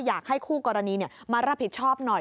อยากให้คู่กรณีมารับผิดชอบหน่อย